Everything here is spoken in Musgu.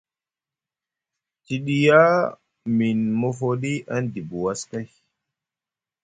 Te ɗiya mini mofoɗi an dibi was kay,